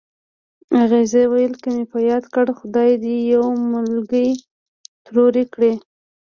اغزي ویل که مې پیدا کړې خدای دې یو مالګی تروې کړي.